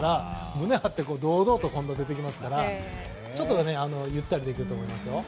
胸を張って堂々と今度は出てきますからちょっとゆったりできると思います。